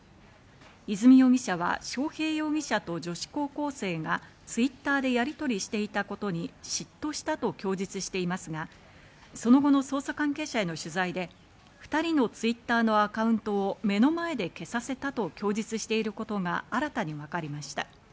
和美容疑者は章平容疑者と女子高校生がＴｗｉｔｔｅｒでやりとりしていたことに嫉妬したと供述していますが、その後の捜査関係者への取材で２人のＴｗｉｔｔｅｒのアカウントを目の前で消させたと供述していることが新たに分かりました。